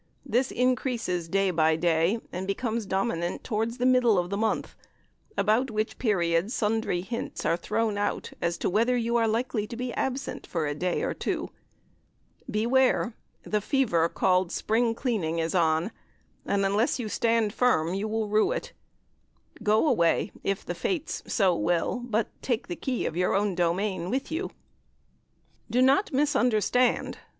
This increases day by day, and becomes dominant towards the middle of the month, about which period sundry hints are thrown out as to whether you are likely to be absent for a day or two. Beware! the fever called "Spring Clean" is on, and unless you stand firm, you will rue it. Go away, if the Fates so will, but take the key of your own domain with you. Do not misunderstand.